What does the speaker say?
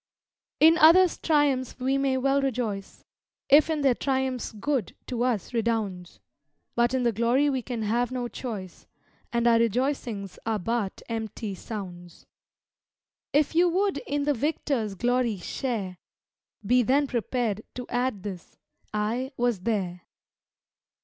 _" In others' triumphs we may well rejoice, If in their triumphs good to us redounds; But in the glory we can have no choice, And our rejoicings are but empty sounds. If you would in the victor's glory share, Be then prepared to add this, "_I was there!